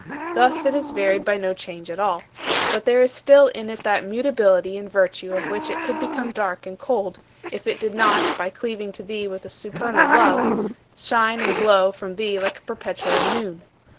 Thus, it is varied by no change at all. But there is still in it that mutability in virtue of which it could become dark and cold, if it did not, by cleaving to thee with a supernal love, shine and glow from thee like a perpetual noon.